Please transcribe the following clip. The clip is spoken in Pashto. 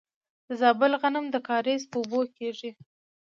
د زابل غنم د کاریز په اوبو کیږي.